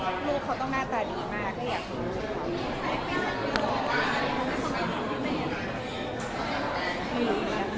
ก็ลูกเขาต้องหน้าตาดีมากก็อยากรู้สึก